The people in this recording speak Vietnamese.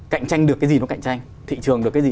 cạnh tranh được cái gì nó cạnh tranh thị trường được cái gì